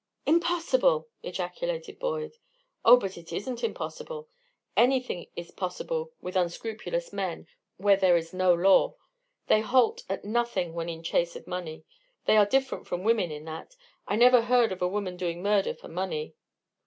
"Impossible!" ejaculated Boyd. "Oh, but it isn't impossible. Anything is possible with unscrupulous men where there is no law; they halt at nothing when in chase of money. They are different from women in that. I never heard of a woman doing murder for money."